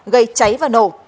gây cháy và nổ